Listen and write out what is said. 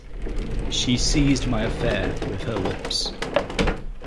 She seized my affair with her lips.